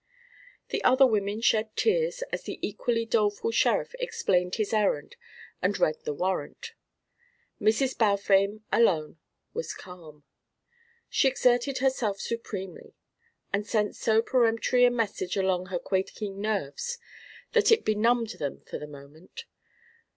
The other women shed tears as the equally doleful sheriff explained his errand and read the warrant. Mrs. Balfame alone was calm. She exerted herself supremely and sent so peremptory a message along her quaking nerves that it benumbed them for the moment.